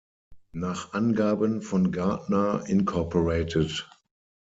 Nach Angaben von Gartner Inc.